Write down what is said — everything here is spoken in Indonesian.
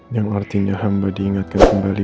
yang artinya hamba diingatkan kembali